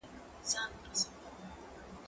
زه مخکي موسيقي اورېدلې وه؟!